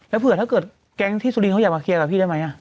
แล้วเผื่อถ้าเกิดแก๊งที่สุรินเขาอยากมาเคลียร์กับพี่ได้ไหม